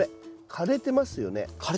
枯れてますね。